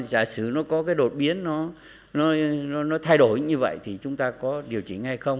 giả sử nó có cái đột biến nó thay đổi như vậy thì chúng ta có điều chỉnh hay không